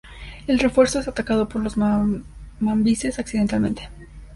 El refuerzo es atacado por los mambises accidentalmente.